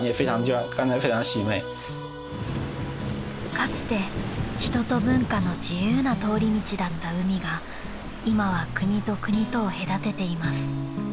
［かつて人と文化の自由な通り道だった海が今は国と国とを隔てています］